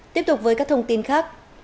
tiếp tục với các thông tin khác